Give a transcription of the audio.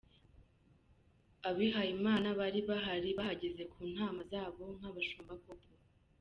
Abihayimana bari bahari, bahagaze ku ntama zabo nk’abashumba koko.